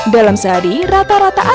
dalam sehari rata rata